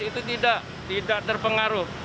itu tidak terpengaruh